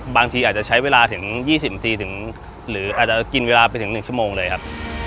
บางทีอาจจะใช้เวลาถึง๒๐นาทีถึงหรืออาจจะกินเวลาไปถึง๑ชั่วโมงเลยครับ